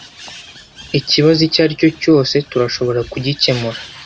Ikibazo icyo aricyo cyose, turashobora kugikemura.